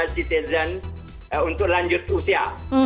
citizen untuk lanjut usia